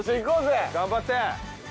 頑張って。